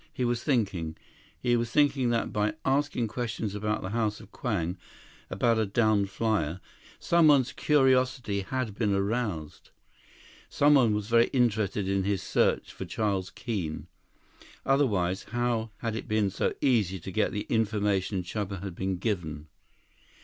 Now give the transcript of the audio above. He was thinking. He was thinking that by asking questions about the House of Kwang, about a downed flyer, someone's curiosity had been aroused. Someone was very interested in his search for Charles Keene. Otherwise, how had it been so easy to get the information Chuba had been given?